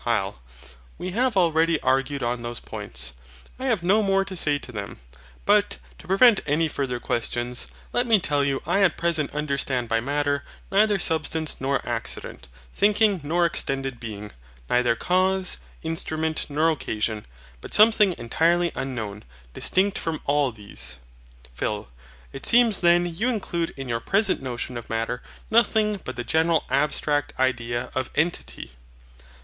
HYL. We have already argued on those points. I have no more to say to them. But, to prevent any farther questions, let me tell you I at present understand by MATTER neither substance nor accident, thinking nor extended being, neither cause, instrument, nor occasion, but Something entirely unknown, distinct from all these. PHIL. It seems then you include in your present notion of Matter nothing but the general abstract idea of ENTITY.